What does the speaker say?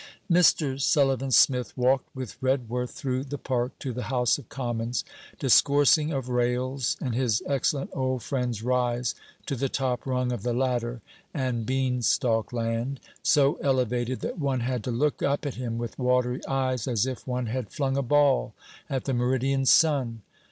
Mr. Sullivan Smith walked with Redworth through the park to the House of Commons, discoursing of Rails and his excellent old friend's rise to the top rung of the ladder and Beanstalk land, so elevated that one had to look up at him with watery eyes, as if one had flung a ball at the meridian sun.